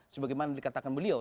sebagai mana dikatakan beliau